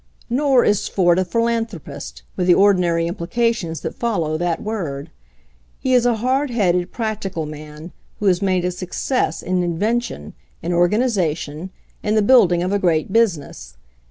Nor is Ford a philanthropist, with the ordi nary implications that follow that word. He is a hard headed, practical man, who has made a suc cess in invention, in organization, in the building of a great business.